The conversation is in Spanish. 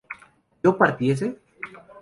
¿yo partiese?